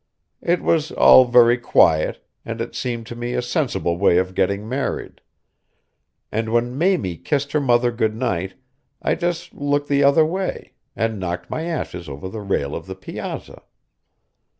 It was all very quiet, and it seemed to me a sensible way of getting married; and when Mamie kissed her mother good night I just looked the other way, and knocked my ashes over the rail of the piazza.